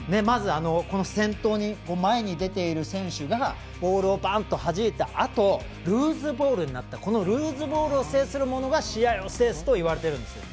先頭に前に出ている選手がボールをバンとはじいたあとルーズボールになってそのルーズボールを制する者が試合を制するといわれているんです。